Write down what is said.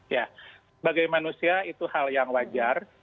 ya bagi manusia itu hal yang wajar